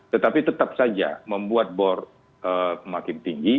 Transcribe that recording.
tetapi tetap saja membuat bor makin tinggi